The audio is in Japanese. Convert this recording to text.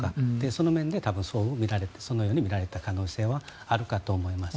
その面で多分そのように見られた可能性はあるかと思います。